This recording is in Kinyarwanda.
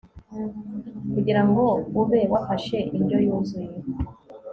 kugira ngo ube wafashe indyo yuzuye